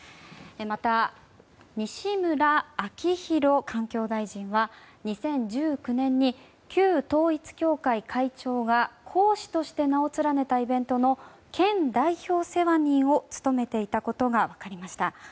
また、西村明宏環境大臣は２０１９年に、旧統一教会会長が講師として名を連ねたイベントの県代表世話人を務めていたことが分かりました。